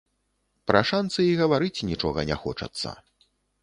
Пра шанцы і гаварыць нічога не хочацца.